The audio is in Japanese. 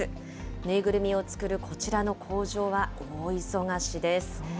縫いぐるみを作るこちらの工場は、大忙しです。